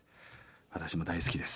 私も大好きです。